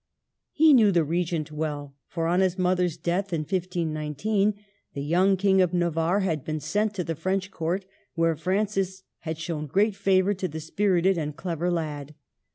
He knew the Regent well; for on his mother's death, in 15 19, the young King of Navarre had been sent to the French Court, where Francis had shown great favor to the spirited and clever lad.